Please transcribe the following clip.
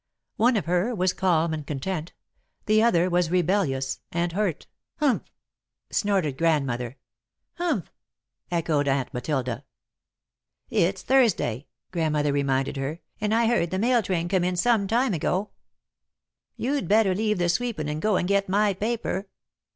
One of her was calm and content, the other was rebellious and hurt. "Humph!" snorted Grandmother. "Humph!" echoed Aunt Matilda [Sidenote: Going for the Paper] "It's Thursday," Grandmother reminded her, "and I heard the mail train come in some time ago. You'd better leave the sweepin' an' go and get my paper."